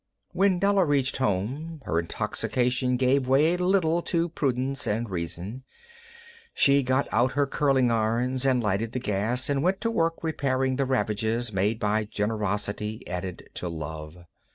When Della reached home her intoxication gave way a little to prudence and reason. She got out her curling irons and lighted the gas and went to work repairing the ravages made by generosity added to love.